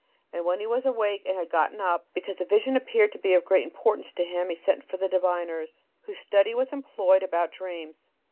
And when he was awake and gotten up, because the vision appeared to be of great importance to him, he sent for the diviners, whose study was employed about dreams.